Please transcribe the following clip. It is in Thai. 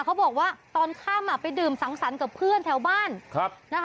เขาบอกว่าตอนค่ำไปดื่มสังสรรค์กับเพื่อนแถวบ้าน